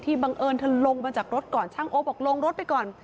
บังเอิญเธอลงมาจากรถก่อนช่างโอ๊คบอกลงรถไปก่อน